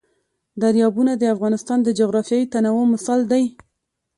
دریابونه د افغانستان د جغرافیوي تنوع مثال دی.